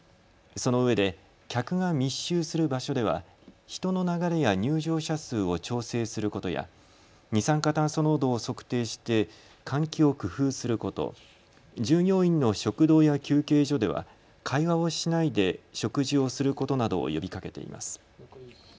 そのうえで客が密集する場所では人の流れや入場者数を調整することや二酸化炭素濃度を測定して換気を工夫すること、従業員の食堂や休憩所では会話をしないで食事をすることなどを呼びかけています。